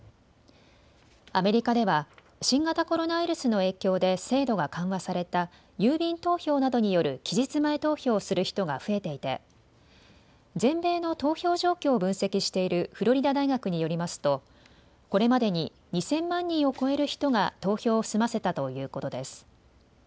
アメリカでは新型コロナウイルスの影響で制度が緩和された郵便投票などによる期日前投票をする人が増えていて全米の投票状況を分析しているフロリダ大学によりますとこれまでに２０００万人を超える人が投票を済ませたということです。